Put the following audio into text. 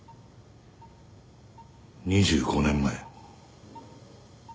２５年前。